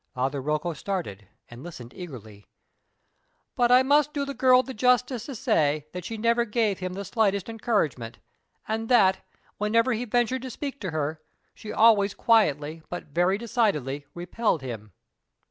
Father Rocco started, and listened eagerly. "But I must do the girl the justice to say that she never gave him the slightest encouragement; and that, whenever he ventured to speak to her, she always quietly but very decidedly repelled him."